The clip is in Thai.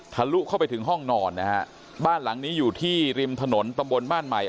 ลุเข้าไปถึงห้องนอนนะฮะบ้านหลังนี้อยู่ที่ริมถนนตำบลบ้านใหม่